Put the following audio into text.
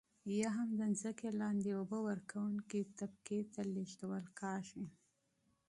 یا هم د ځمکې لاندې اوبه ورکونکې طبقې ته لیږدول کیږي.